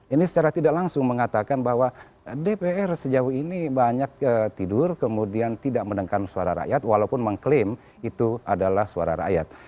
ini secara tidak langsung mengatakan bahwa dpr sejauh ini banyak tidur kemudian tidak mendengarkan suara rakyat walaupun mengklaim itu adalah suara rakyat